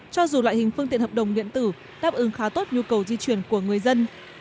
cho dù loại hình phương tiện hợp đồng điện tử đáp ứng khá tốt nhu cầu di chuyển của người dân